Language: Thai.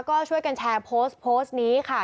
ก็ช่วยกันแชร์โพสต์โพสต์นี้ค่ะ